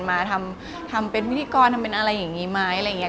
มาทำเป็นพิธีกรทำเป็นอะไรอย่างนี้ไหมอะไรอย่างนี้